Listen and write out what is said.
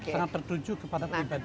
sangat tertuju kepada pribadi